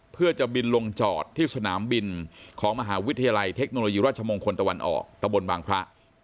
เพื่อจะบินลงจอดที่สนามบินของมหาวิทยาลัยเทคโนโลยีราชมงคลตะวันออกตะบนบางพระ